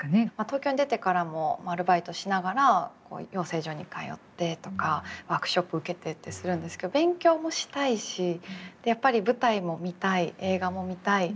東京に出てからもアルバイトしながら養成所に通ってとかワークショップ受けてってするんですけど勉強もしたいしやっぱり舞台も見たい映画も見たい